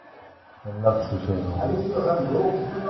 연락주세요.